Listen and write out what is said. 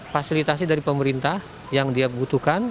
fasilitasi dari pemerintah yang dia butuhkan